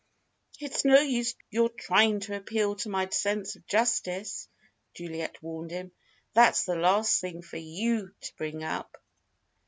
"It's no use your trying to appeal to my sense of justice," Juliet warned him. "That's the last thing for you to bring up!"